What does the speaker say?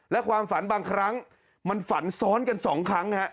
และความฝันบางครั้งมันฝันซ้อนกัน๒ครั้ง